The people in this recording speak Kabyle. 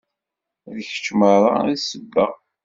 D kečč merra i d ssebba.